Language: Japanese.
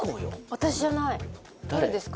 私じゃない誰ですか？